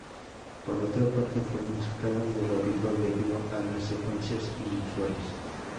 Por otra parte, fue más caro de lo habitual, debido a las secuencias inusuales.